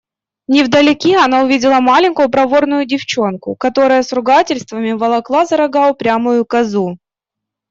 Невдалеке она увидела маленькую проворную девчонку, которая с ругательствами волокла за рога упрямую козу.